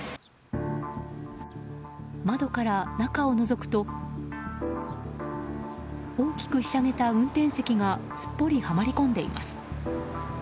窓から中をのぞくと大きくひしゃげた運転席がすっぽり、はまり込んでいます。